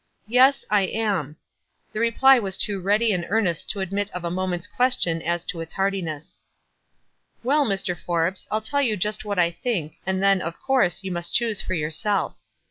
" "Yes, lam." The reply was too ready and earnest to admit of a moment's question as to its heartiness. "Well, Mr. Forbes, 111 tell you just what I think, and then, of course, you must choose for yourself.